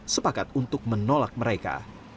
sepakat untuk menolak mereka